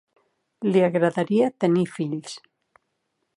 Li agradaria tenir fills.